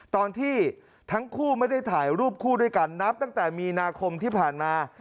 ตอนที่ทั้งคู่ไม่ได้ถ่ายรูปคู่ด้วยกันนับตั้งแต่มีนาคมที่ผ่านมา